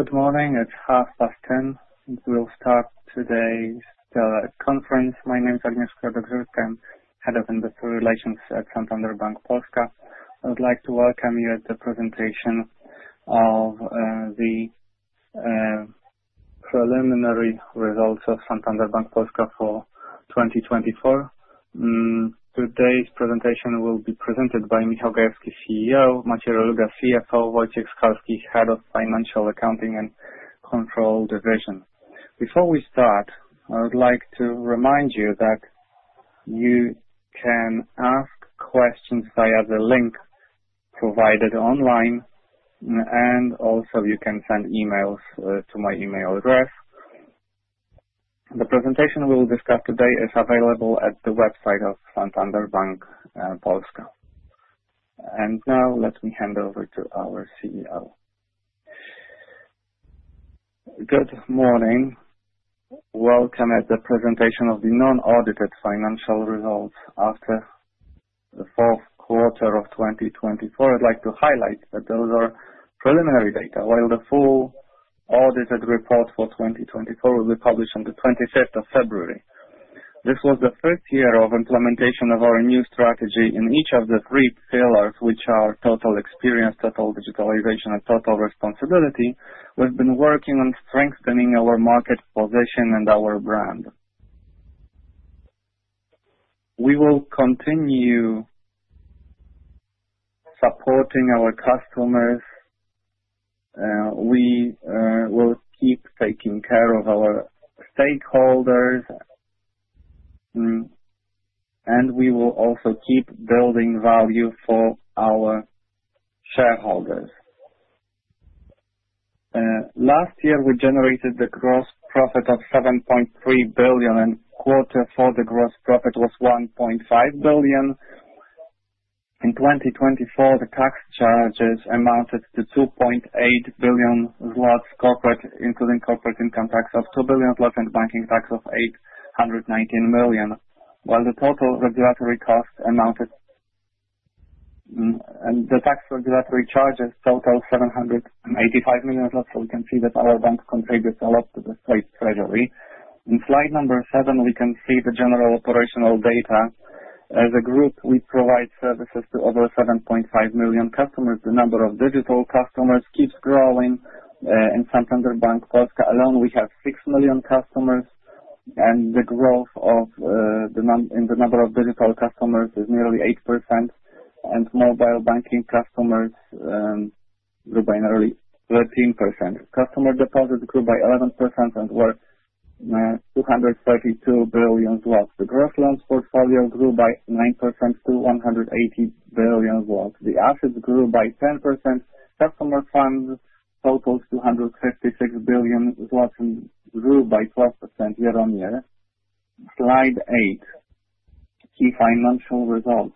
Good morning. It's 10:30 A.M. We'll start today's conference. My name is Agnieszka Dowżycka, Head of Investor Relations at Santander Bank Polska. I would like to welcome you at the presentation of the preliminary results of Santander Bank Polska for 2024. Today's presentation will be presented by Michał Gajewski, CEO; Maciej Reluga, CFO; Wojciech Skalski, Head of Financial Accounting and Control Division. Before we start, I would like to remind you that you can ask questions via the link provided online, and also you can send emails to my email address. The presentation we will discuss today is available at the website of Santander Bank Polska. Now, let me hand over to our CEO. Good morning. Welcome at the presentation of the unaudited financial results after the fourth quarter of 2024. I'd like to highlight that those are preliminary data, while the full audited report for 2024 will be published on the 25th of February. This was the first year of implementation of our new strategy in each of the three pillars, which are Total Experience, Total Digitalization, and Total Responsibility. We've been working on strengthening our market position and our brand. We will continue supporting our customers. We will keep taking care of our stakeholders, and we will also keep building value for our shareholders. Last year, we generated a gross profit of 7.3 billion, and quarter four, the gross profit was 1.5 billion. In 2024, the tax charges amounted to 2.8 billion zlotys, including corporate income tax of 2 billion zlotys and banking tax of 819 million, while the total regulatory costs amounted to the tax regulatory charges total 785 million. We can see that our bank contributes a lot to the State Treasury. In Slide number 7, we can see the general operational data. As a group, we provide services to over 7.5 million customers. The number of digital customers keeps growing. In Santander Bank Polska alone, we have six million customers, and the growth in the number of digital customers is nearly 8%, and mobile banking customers grew by nearly 13%. Customer deposits grew by 11% and were 232 billion. The gross loans portfolio grew by 9% to 180 billion. The assets grew by 10%. Customer funds totaled 256 billion and grew by 12% year on year. Slide 8, key financial results.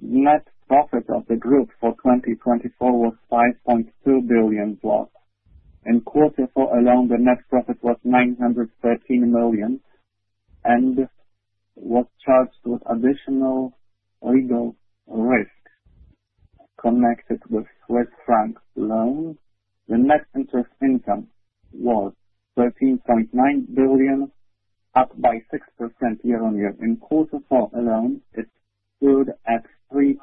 Net profit of the group for 2024 was 5.2 billion. In quarter four alone, the net profit was 913 million and was charged with additional legal risks connected with Swiss franc loans. The net interest income was 13.9 billion, up by 6% year on year. In quarter four alone, it stood at 3.6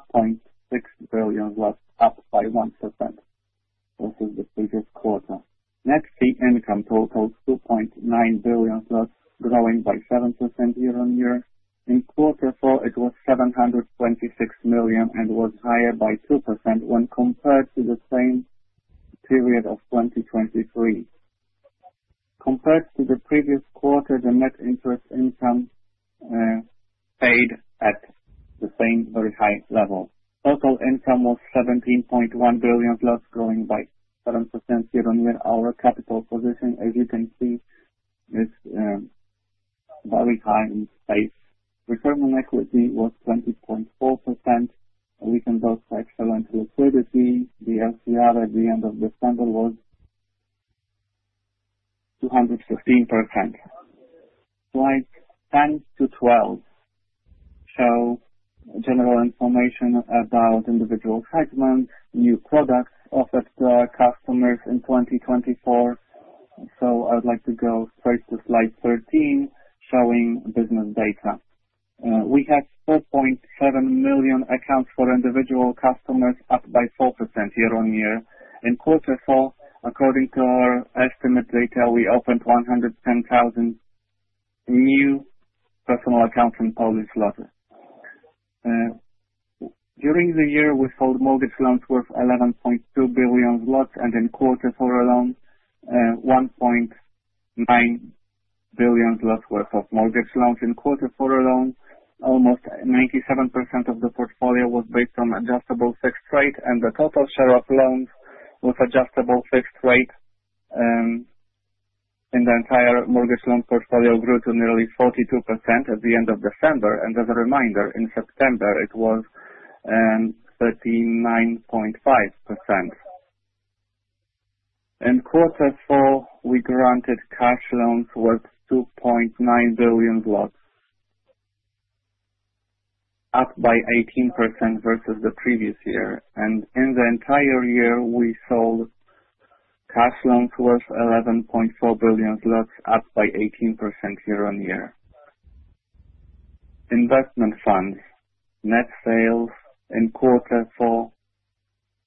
billion, up by 1%. This is the previous quarter. Net fee income totaled 2.9 billion, growing by 7% year on year. In quarter four, it was 726 million and was higher by 2% when compared to the same period of 2023. Compared to the previous quarter, the net interest income stayed at the same very high level. Total income was 17.1 billion, growing by 7% year on year. Our capital position, as you can see, is very high in space. Return on equity was 20.4%. We can note excellent liquidity. The LCR at the end of December was 215%. Slides 10 to 12 show general information about individual segments, new products offered to our customers in 2024. So I would like to go straight to Slide 13, showing business data. We have 4.7 million accounts for individual customers, up by 4% year on year. In quarter four, according to our estimate data, we opened 110,000 new personal accounts in Polish zlotys. During the year, we sold mortgage loans worth 11.2 billion, and in quarter four alone, 1.9 billion worth of mortgage loans. In quarter four alone, almost 97% of the portfolio was based on adjustable fixed rate, and the total share of loans with adjustable fixed rate in the entire mortgage loan portfolio grew to nearly 42% at the end of December. And as a reminder, in September, it was 39.5%. In quarter four, we granted cash loans worth 2.9 billion, up by 18% versus the previous year. In the entire year, we sold cash loans worth 11.4 billion zlotys, up by 18% year on year. Investment funds, net sales in quarter four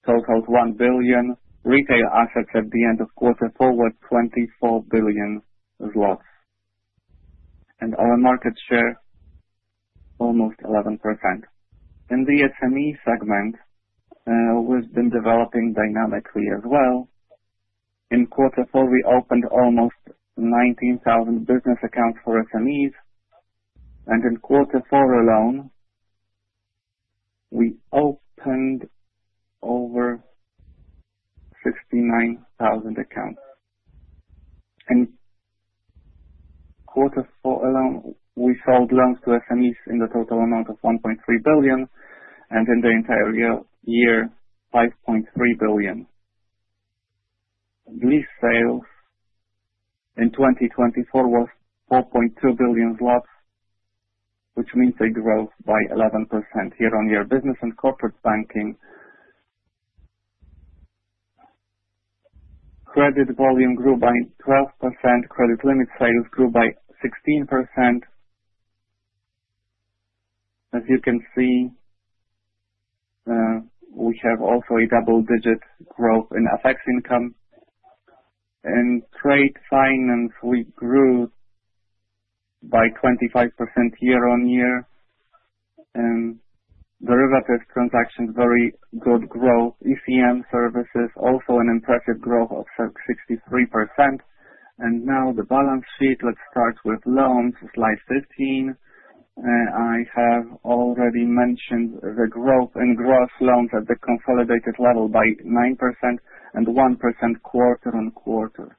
totaled one billion. Retail assets at the end of quarter four were 24 billion zlotys, and our market share almost 11%. In the SME segment, we've been developing dynamically as well. In quarter four, we opened almost 19,000 business accounts for SMEs. In quarter four alone, we opened over 69,000 accounts. In quarter four alone, we sold loans to SMEs in the total amount of 1.3 billion, and in the entire year, 5.3 billion. Lease sales in 2024 was 4.2 billion zlotys, which means a growth by 11% year on year. Business and corporate banking credit volume grew by 12%. Credit limit sales grew by 16%. As you can see, we have also a double-digit growth in FX income. In trade finance, we grew by 25% year on year. Derivative transactions, very good growth. ECM services, also an impressive growth of 63%. And now the balance sheet. Let's start with loans. Slide 15. I have already mentioned the growth in gross loans at the consolidated level by 9% and 1% quarter on quarter.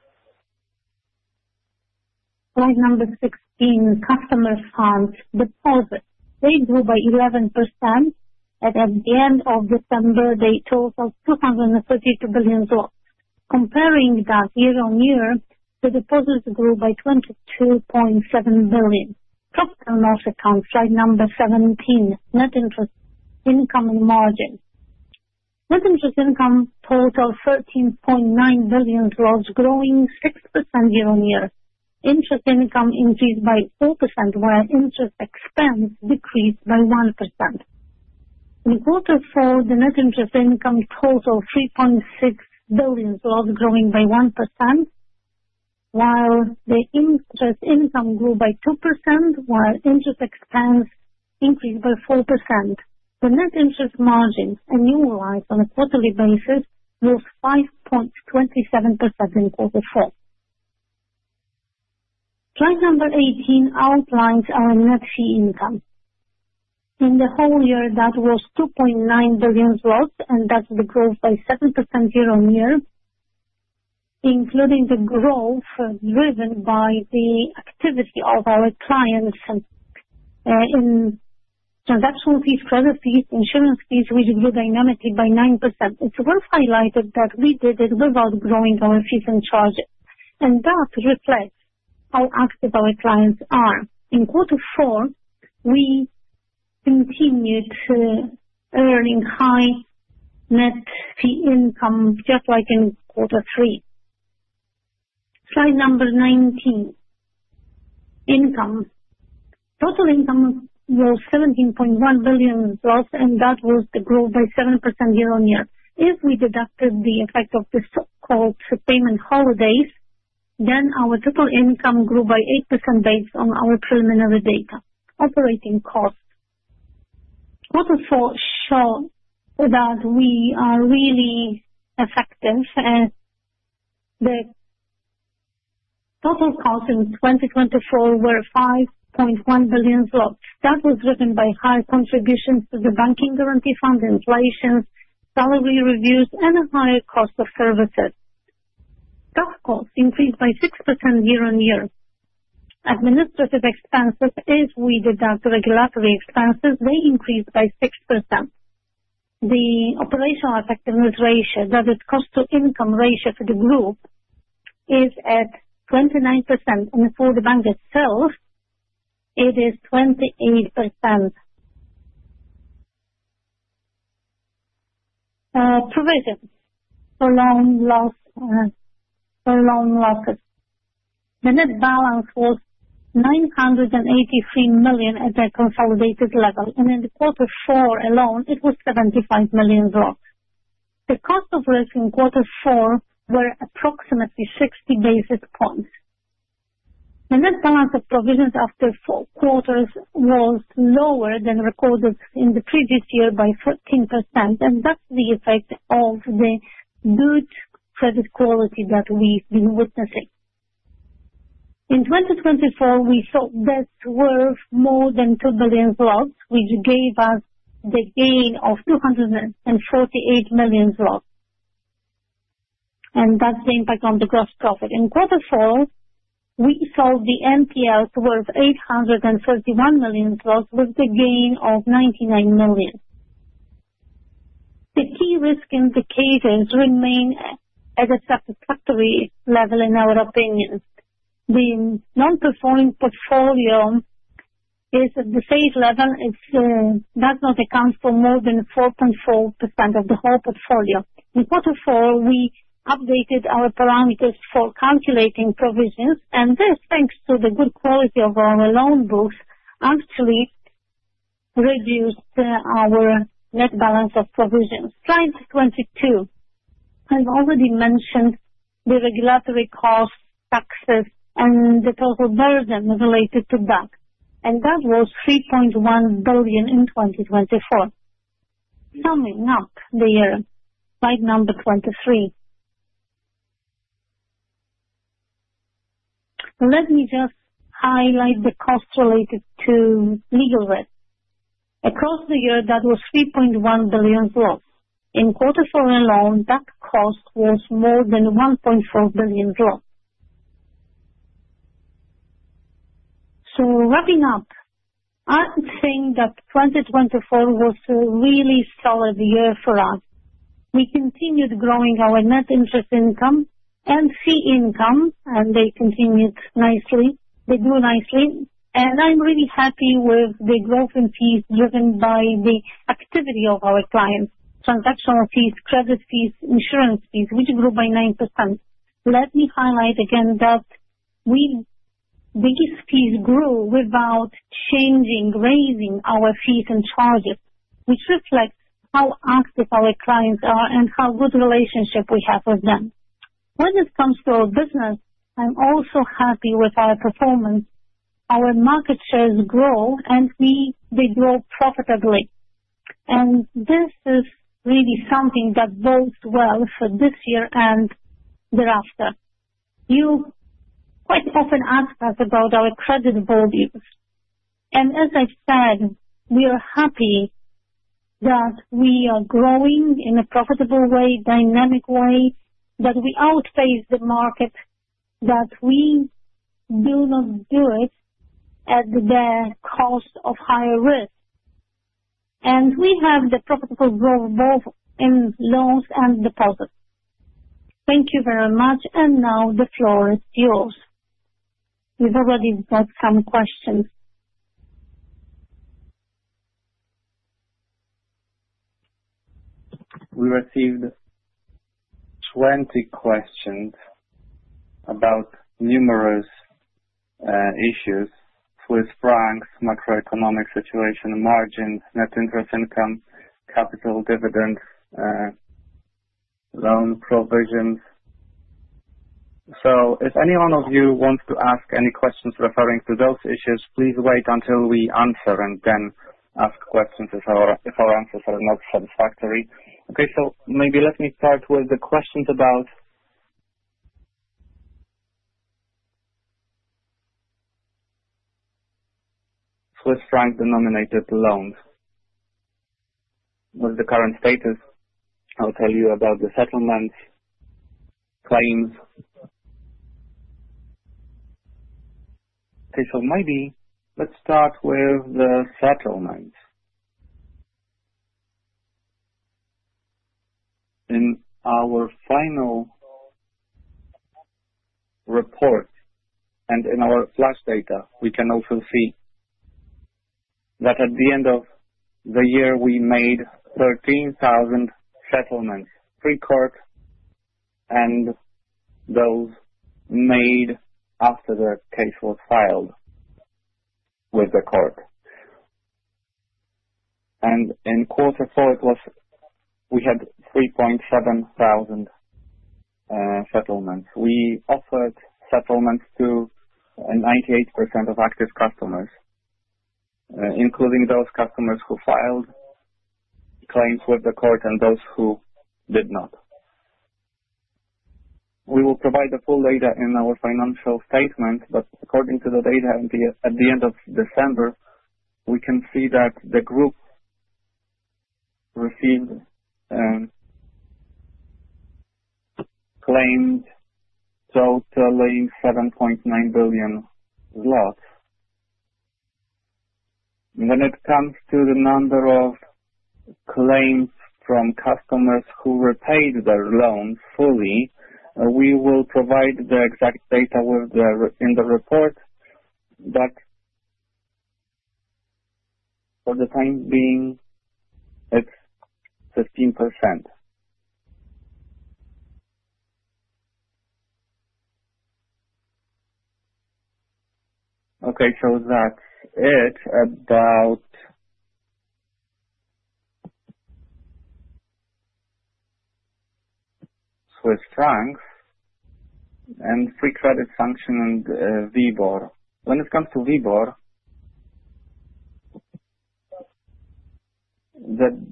Slide number 16, customer funds, deposits. They grew by 11%. At the end of December, they totaled PLN 232 billion. Comparing that year on year, the deposits grew by PLN 22.7 billion. Profit and loss accounts, Slide number 17, net interest income and margin. Net interest income totaled PLN 13.9 billion, growing 6% year on year. Interest income increased by 4%, while interest expense decreased by 1%. In quarter four, the net interest income totaled 3.6 billion, growing by 1%, while the interest income grew by 2%, while interest expense increased by 4%. The net interest margins annualized on a quarterly basis grew 5.27% in quarter four. Slide number 18 outlines our net fee income. In the whole year, that was 2.9 billion, and that's the growth by 7% year on year, including the growth driven by the activity of our clients in transactional fees, credit fees, insurance fees, which grew dynamically by 9%. It's worth highlighting that we did it without growing our fees and charges, and that reflects how active our clients are. In quarter four, we continued earning high net fee income, just like in quarter three. Slide number 19, income. Total income was 17.1 billion, and that was the growth by 7% year on year. If we deducted the effect of the so-called payment holidays, then our total income grew by 8% based on our preliminary data. Operating costs. Quarter four showed that we are really effective, and the total cost in 2024 were 5.1 billion zloty. That was driven by high contributions to the Bank Guarantee Fund, inflation, salary reviews, and a higher cost of services. Staff costs increased by 6% year on year. Administrative expenses, if we deduct regulatory expenses, they increased by 6%. The operational effectiveness ratio, that is, cost-to-income ratio for the group, is at 29%. And for the bank itself, it is 28%. Provisions for loan losses. The net balance was 983 million PLN at the consolidated level, and in quarter four alone, it was 75 million PLN. The cost of risk in quarter four was approximately 60 basis points. The net balance of provisions after four quarters was lower than recorded in the previous year by 13%, and that's the effect of the good credit quality that we've been witnessing. In 2024, we sold debts worth more than 2 billion zlotys, which gave us the gain of 248 million zlotys, and that's the impact on the gross profit. In quarter four, we sold the NPLs worth 831 million, with the gain of 99 million. The key risk indicators remain at a satisfactory level, in our opinion. The non-performing portfolio is at the safe level. It does not account for more than 4.4% of the whole portfolio. In quarter four, we updated our parameters for calculating provisions, and this, thanks to the good quality of our loan books, actually reduced our net balance of provisions. Slide 22. I've already mentioned the regulatory costs, taxes, and the total burden related to that, and that was 3.1 billion in 2024. Summing up the year, Slide number 23. Let me just highlight the cost related to legal risk. Across the year, that was PLN 3.1 billion. In quarter four alone, that cost was more than PLN 1.4 billion. So wrapping up, I think that 2024 was a really solid year for us. We continued growing our net interest income and fee income, and they continued nicely. They grew nicely, and I'm really happy with the growth in fees driven by the activity of our clients: transactional fees, credit fees, insurance fees, which grew by 9%. Let me highlight again that we've—these fees grew without changing, raising our fees and charges, which reflects how active our clients are and how good a relationship we have with them. When it comes to our business, I'm also happy with our performance. Our market shares grow, and they grow profitably. And this is really something that bodes well for this year and thereafter. You quite often ask us about our credit values. As I said, we are happy that we are growing in a profitable way, dynamic way, that we outpace the market, that we do not do it at the cost of higher risk. We have the profitable growth both in loans and deposits. Thank you very much, and now the floor is yours. We've already got some questions. We received 20 questions about numerous issues: Swiss francs, macroeconomic situation, margins, net interest income, capital, dividends, loan provisions. So if any one of you wants to ask any questions referring to those issues, please wait until we answer and then ask questions if our answers are not satisfactory. Okay, so maybe let me start with the questions about Swiss franc-denominated loans. What's the current status? I'll tell you about the settlements, claims. Okay, so maybe let's start with the settlements. In our final report and in our flash data, we can also see that at the end of the year, we made 13,000 settlements pre-court and those made after the case was filed with the court. And in quarter four, we had 3.7 thousand settlements. We offered settlements to 98% of active customers, including those customers who filed claims with the court and those who did not. We will provide the full data in our financial statement, but according to the data at the end of December, we can see that the group received claims totaling PLN 7.9 billion. When it comes to the number of claims from customers who repaid their loans fully, we will provide the exact data in the report, but for the time being, it's 15%. Okay, so that's it about Swiss francs and free credit sanction and WIBOR. When it comes to WIBOR, the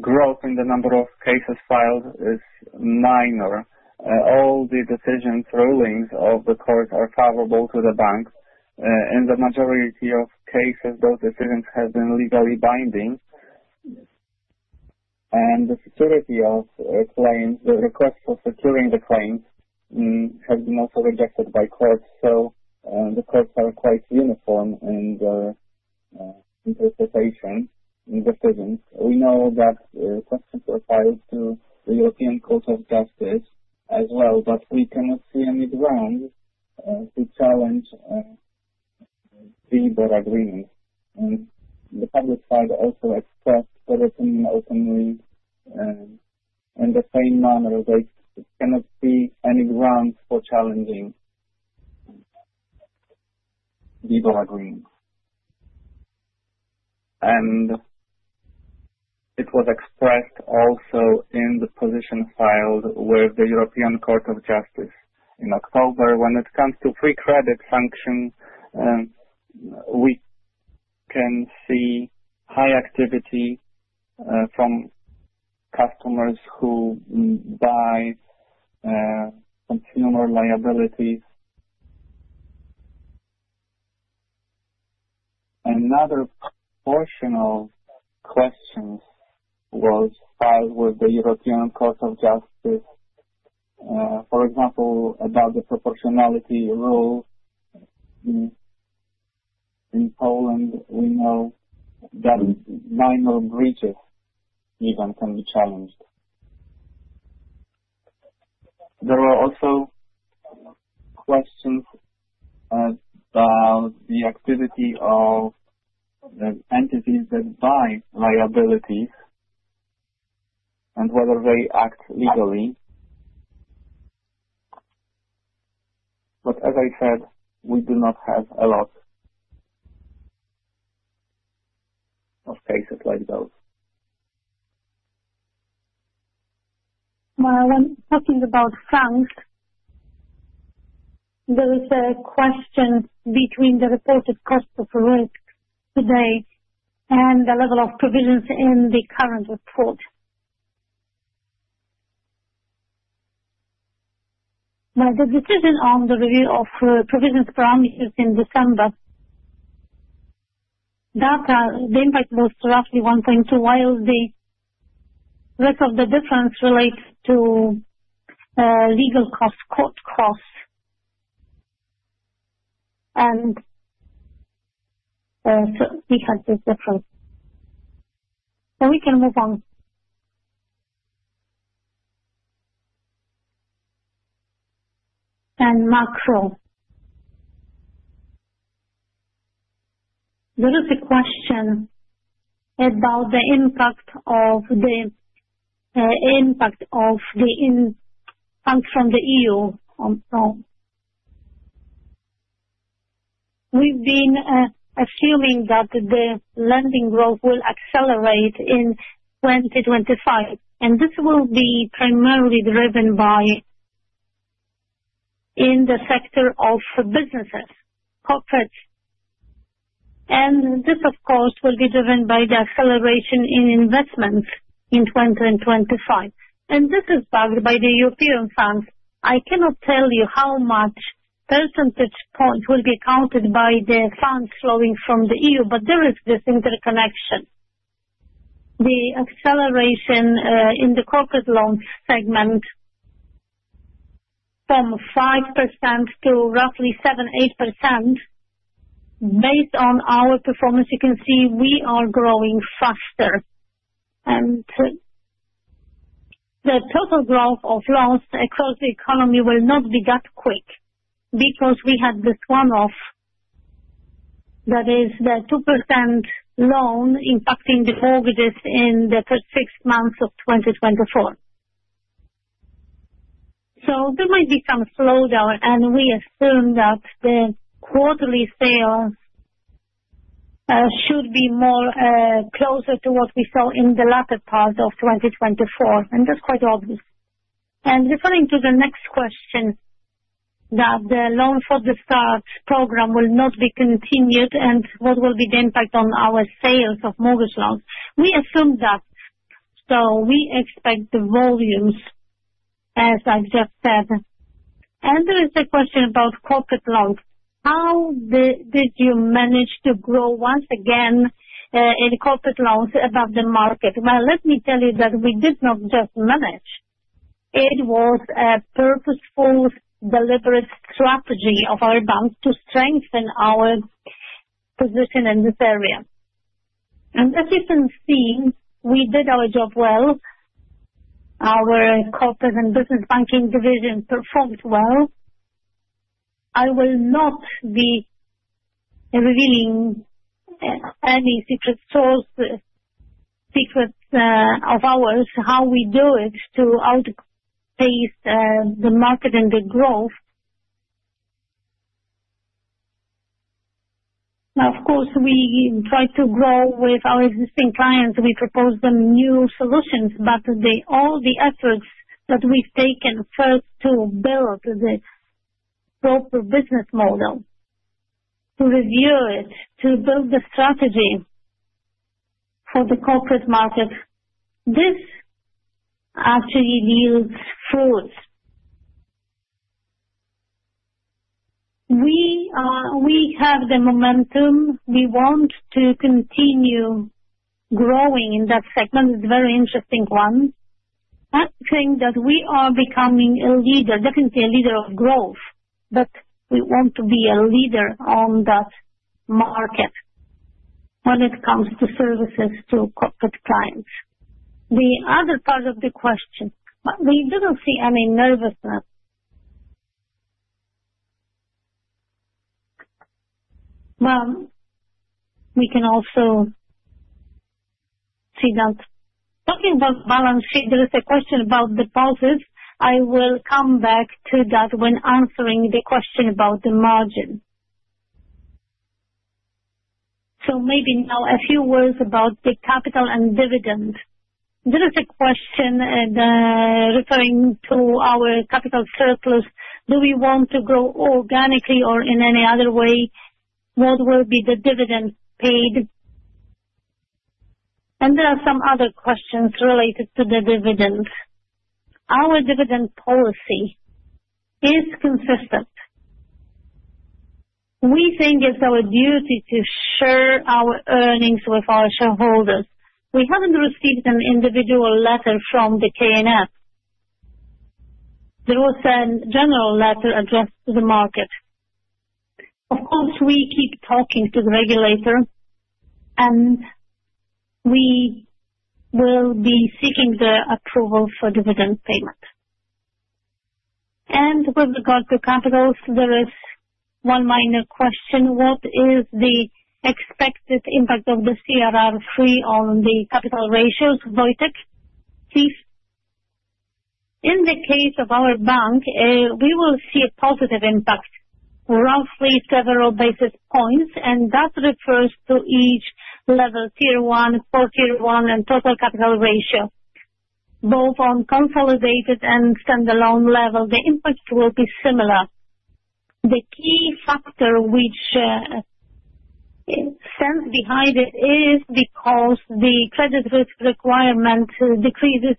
growth in the number of cases filed is minor. All the decisions, rulings of the courts are favorable to the bank. In the majority of cases, those decisions have been legally binding, and the security of claims, the request for securing the claims, have been also rejected by courts. So the courts are quite uniform in their interpretation and decisions. We know that questions were filed to the European Court of Justice as well, but we cannot see any ground to challenge the WIBOR agreement, and the public side also expressed very openly in the same manner that they cannot see any ground for challenging WIBOR agreement, and it was expressed also in the position filed with the European Court of Justice in October. When it comes to free credit sanctions, we can see high activity from customers who buy consumer liabilities. Another portion of questions was filed with the European Court of Justice, for example, about the proportionality rule. In Poland, we know that minor breaches even can be challenged. There were also questions about the activity of the entities that buy liabilities and whether they act legally. But as I said, we do not have a lot of cases like those. When talking about funds, there is a question between the reported cost of risk today and the level of provisions in the current report. The decision on the review of provisions parameters in December, the impact was roughly 1.2. While the rest of the difference relates to legal costs, court costs, and we had this difference. So we can move on. And macro. There is a question about the impact of the funds from the EU. We've been assuming that the lending growth will accelerate in 2025, and this will be primarily driven in the sector of businesses, corporates. And this, of course, will be driven by the acceleration in investments in 2025. And this is backed by the European funds. I cannot tell you how much percentage points will be counted by the funds flowing from the EU, but there is this interconnection. The acceleration in the corporate loan segment from 5% to roughly 7-8%, based on our performance, you can see we are growing faster. And the total growth of loans across the economy will not be that quick because we had this one-off, that is, the 2% loan impacting the mortgages in the first six months of 2024. So there might be some slowdown, and we assume that the quarterly sales should be closer to what we saw in the latter part of 2024, and that's quite obvious. And referring to the next question, that the loan for the Start program will not be continued and what will be the impact on our sales of mortgage loans, we assume that. So we expect the volumes, as I've just said. And there is a question about corporate loans. How did you manage to grow once again in corporate loans above the market? Well, let me tell you that we did not just manage. It was a purposeful, deliberate strategy of our bank to strengthen our position in this area. And as you can see, we did our job well. Our Corporate and Business Banking Division performed well. I will not be revealing any secret sources, secrets of ours, how we do it to outpace the market and the growth. Now, of course, we try to grow with our existing clients. We propose them new solutions, but all the efforts that we've taken first to build the proper business model, to review it, to build the strategy for the corporate market, this actually yields fruits. We have the momentum. We want to continue growing in that segment. It's a very interesting one. I think that we are becoming a leader, definitely a leader of growth, but we want to be a leader on that market when it comes to services to corporate clients. The other part of the question, we didn't see any nervousness. We can also see that. Talking about balance sheet, there is a question about deposits. I will come back to that when answering the question about the margin. Maybe now a few words about the capital and dividend. There is a question referring to our capital surplus. Do we want to grow organically or in any other way? What will be the dividend paid? And there are some other questions related to the dividends. Our dividend policy is consistent. We think it's our duty to share our earnings with our shareholders. We haven't received an individual letter from the KNF. There was a general letter addressed to the market. Of course, we keep talking to the regulator, and we will be seeking the approval for dividend payment. And with regard to capitals, there is one minor question. What is the expected impact of the CRR3 on the capital ratios, Wojtek, please? In the case of our bank, we will see a positive impact, roughly several basis points, and that refers to each level, Tier 1, Core Tier 1, and Total Capital Ratio. Both on consolidated and standalone level, the impact will be similar. The key factor which stands behind it is because the credit risk requirement decreases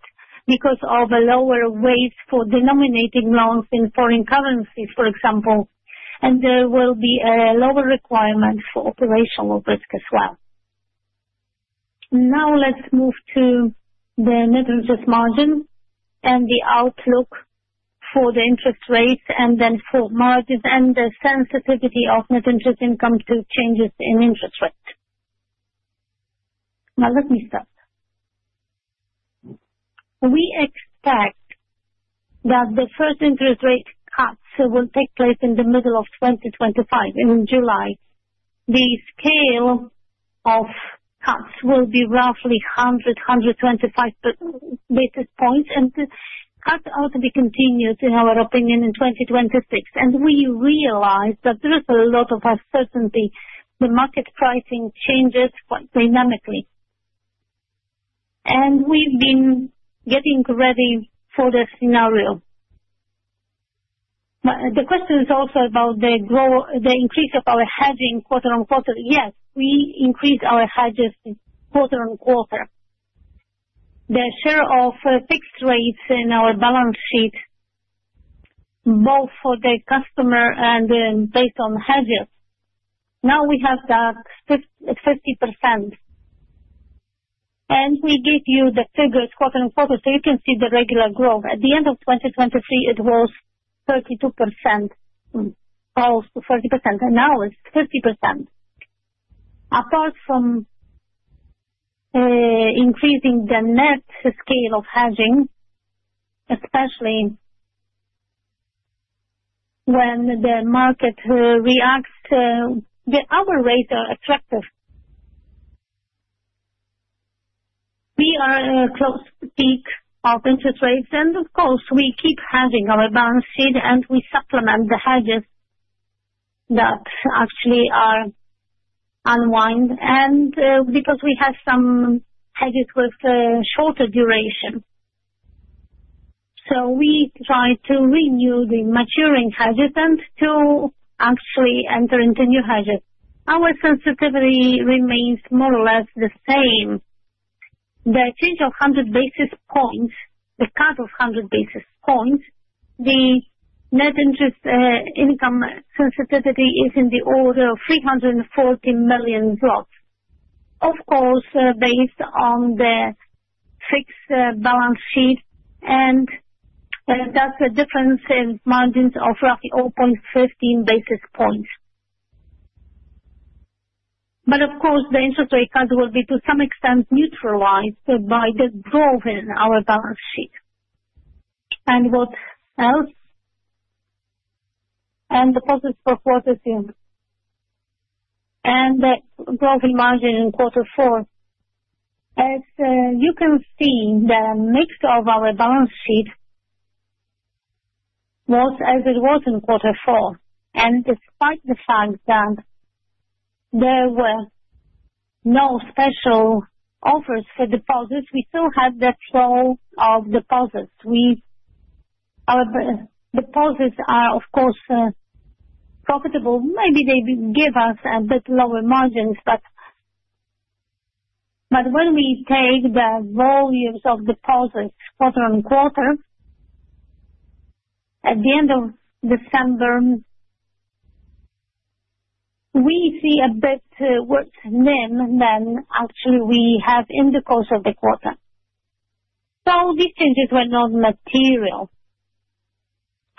because of a lower weight for denominating loans in foreign currencies, for example, and there will be a lower requirement for operational risk as well. Now let's move to the net interest margin and the outlook for the interest rates and then for margins and the sensitivity of net interest income to changes in interest rates. Let me start. We expect that the first interest rate cuts will take place in the middle of 2025, in July. The scale of cuts will be roughly 100, 125 basis points, and the cut ought to be continued, in our opinion, in 2026. We realize that there is a lot of uncertainty. The market pricing changes quite dynamically, and we've been getting ready for this scenario. The question is also about the increase of our hedging, quarter on quarter. Yes, we increase our hedges quarter on quarter. The share of fixed rates in our balance sheet, both for the customer and based on hedges, now we have that 50%. We give you the figures, quarter on quarter, so you can see the regular growth. At the end of 2023, it was 32%, close to 30%, and now it's 50%. Apart from increasing the net scale of hedging, especially when the market reacts, the upper rates are attractive. We are close to the peak of interest rates, and of course, we keep hedging our balance sheet, and we supplement the hedges that actually are unwind because we have some hedges with shorter duration. So we try to renew the maturing hedges and to actually enter into new hedges. Our sensitivity remains more or less the same. The change of 100 basis points, the cut of 100 basis points, the net interest income sensitivity is in the order of 340 million drops. Of course, based on the fixed balance sheet, and that's a difference in margins of roughly 0.15 basis points. But of course, the interest rate cuts will be, to some extent, neutralized by the growth in our balance sheet. What else? The positive stuff was assumed. The growth in margin in quarter four, as you can see, the mixture of our balance sheet was as it was in quarter four. Despite the fact that there were no special offers for deposits, we still had that flow of deposits. Our deposits are, of course, profitable. Maybe they give us a bit lower margins, but when we take the volumes of deposits quarter on quarter, at the end of December, we see a bit worse NIM than actually we have in the course of the quarter. These changes were not material.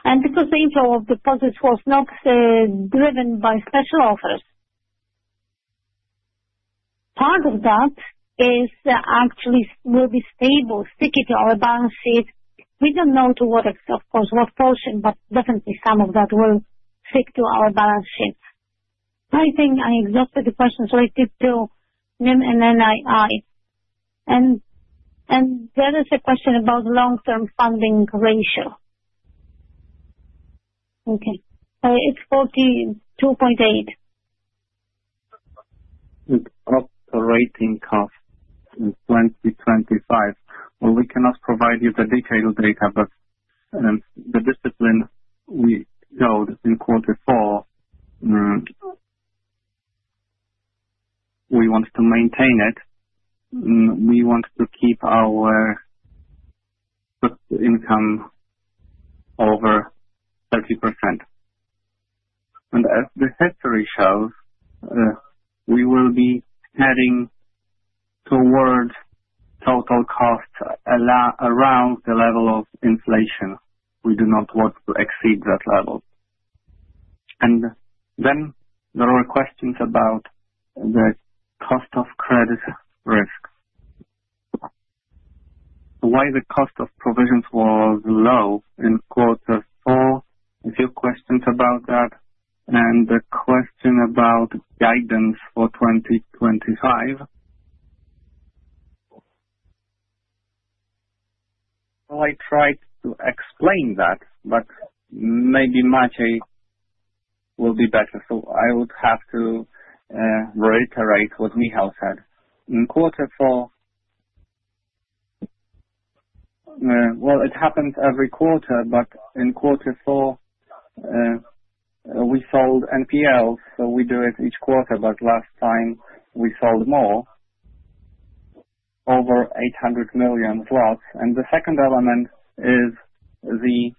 Because the inflow of deposits was not driven by special offers, part of that is actually will be stable, sticky to our balance sheet. We don't know to what extent, of course, what portion, but definitely some of that will stick to our balance sheet. I think I exhausted the questions related to NIM and NII. There is a question about long-term funding ratio. Okay. It's 42.8. The operating cost in 2025. Well, we cannot provide you the detailed data, but the discipline we showed in quarter four, we want to maintain it. We want to keep our net income over 30%. And as the history shows, we will be heading towards total costs around the level of inflation. We do not want to exceed that level. And then there are questions about the cost of credit risks. Why the cost of provisions was low in quarter four, a few questions about that, and the question about guidance for 2025. Well, I tried to explain that, but maybe Maciej will be better, so I would have to reiterate what Michał said. In quarter four, well, it happens every quarter, but in quarter four, we sold NPLs, so we do it each quarter, but last time we sold more, over 800 million zlotys plus. The second element is the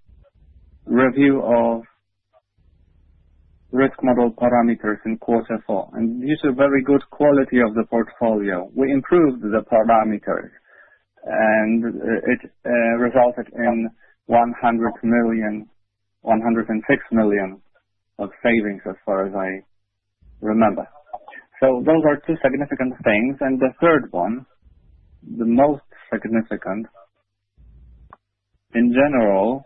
review of risk model parameters in quarter four. These are very good quality of the portfolio. We improved the parameters, and it resulted in 106 million of savings as far as I remember. Those are two significant things. The third one, the most significant, in general,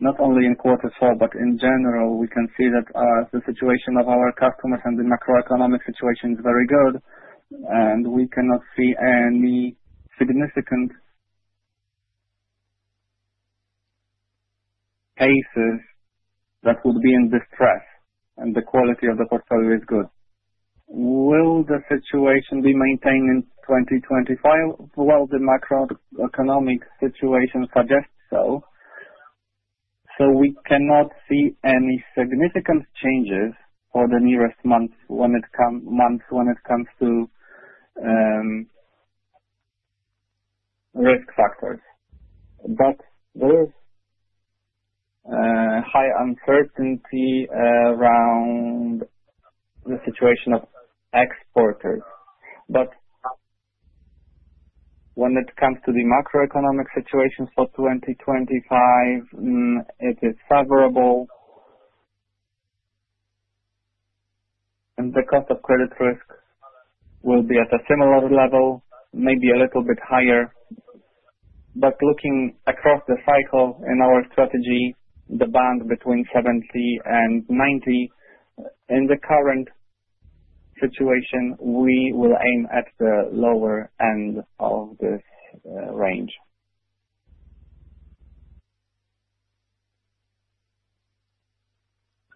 not only in quarter four, but in general, we can see that the situation of our customers and the macroeconomic situation is very good, and we cannot see any significant cases that would be in distress, and the quality of the portfolio is good. Will the situation be maintained in 2025? The macroeconomic situation suggests so. We cannot see any significant changes for the nearest months when it comes to risk factors. There is high uncertainty around the situation of exporters. When it comes to the macroeconomic situation for 2025, it is favorable. The cost of credit risks will be at a similar level, maybe a little bit higher. Looking across the cycle in our strategy, the band between 70 and 90, in the current situation, we will aim at the lower end of this range.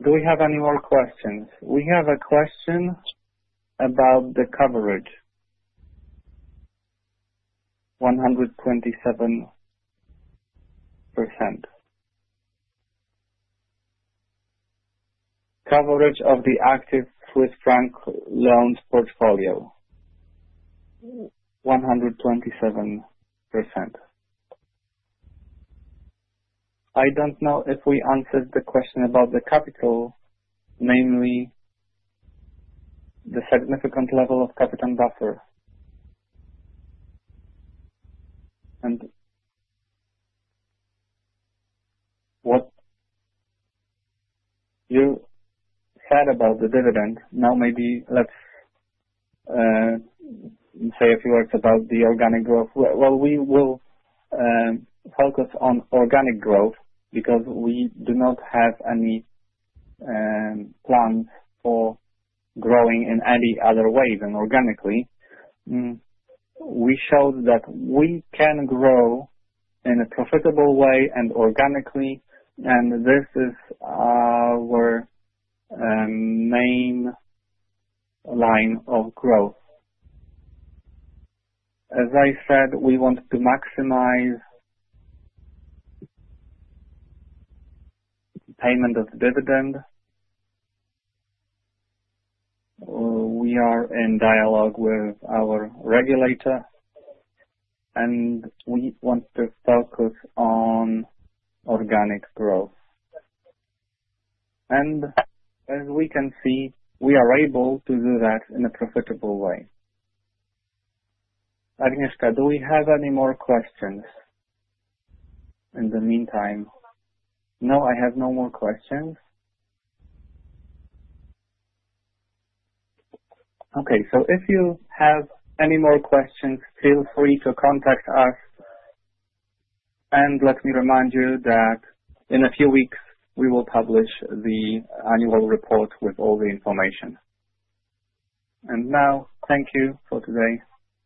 Do we have any more questions? We have a question about the coverage, 127%. Coverage of the active Swiss franc loan portfolio, 127%. I don't know if we answered the question about the capital, namely the significant level of capital buffer. What you said about the dividend, now maybe let's say a few words about the organic growth. We will focus on organic growth because we do not have any plans for growing in any other way than organically. We showed that we can grow in a profitable way and organically, and this is our main line of growth. As I said, we want to maximize payment of dividend. We are in dialogue with our regulator, and we want to focus on organic growth. And as we can see, we are able to do that in a profitable way. Agnieszka, do we have any more questions in the meantime? No, I have no more questions. Okay. So if you have any more questions, feel free to contact us. And let me remind you that in a few weeks, we will publish the annual report with all the information. And now, thank you for today.